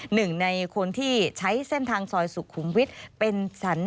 หนึ่งในคนที่ใช้เส้นทางซอยสุขุมวิทย์เป็นสรร